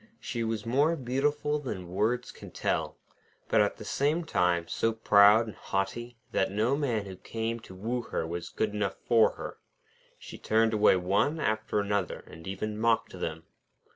She was more beautiful than words can tell, but at the same time so proud and haughty that no man who came to woo her was good enough for her. She turned away one after another, and even mocked them.